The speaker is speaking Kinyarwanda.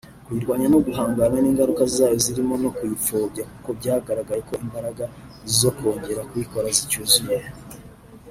kuyirwanya no guhangana n’ingaruka zayo zirimo no kuyipfobya kuko byagaragaye ko imbaraga zo kongera kuyikora zicyuzuye